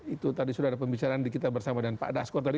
itu tadi sudah ada pembicaraan di kita bersama dengan pak dasko tadi